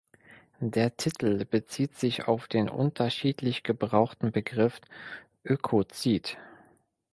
Der Titel bezieht sich auf den unterschiedlich gebrauchten Begriff Ökozid.